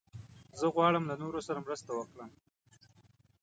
زه غواړم له نورو سره مرسته وکړم.